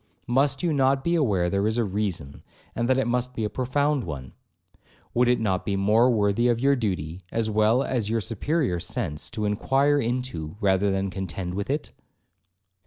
Must you not be aware there is a reason, and that it must be a profound one? Would it not be more worthy of your duty, as well as your superior sense, to inquire into, than contend with it?'